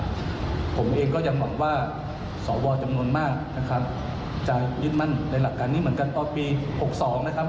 ผมเองก็ยังหวังว่าสวจำนวนมากจะยึดมั่นในหลักการนี้เหมือนกัน